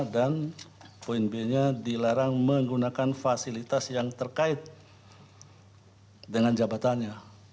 dan poin b nya dilarang menggunakan fasilitas yang terkait dengan jabatannya